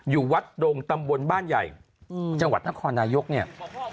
อยู่วัดดงตำบลบ้านใหญ่จังหวัดนครนายกเนี่ย